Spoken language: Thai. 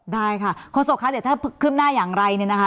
ได้ค่ะโฆษกคะเดี๋ยวถ้าขึ้นหน้าอย่างไรเนี่ยนะคะ